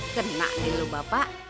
kena nih lo bapak